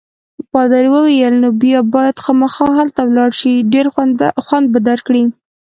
پادري وویل: نو بیا باید خامخا هلته ولاړ شې، ډېر خوند به درکړي.